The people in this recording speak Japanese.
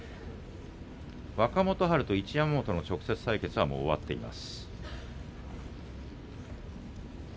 若元春と一山本の直接対決、終わっています。